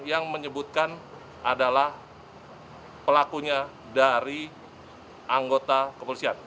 yang menyebutkan adalah pelakunya dari anggota kepolisian